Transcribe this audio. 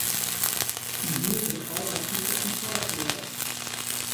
Myn hier wurdt al wat piper-en-sâltkleurich.